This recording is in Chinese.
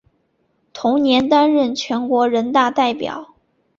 同年担任全国人大代表。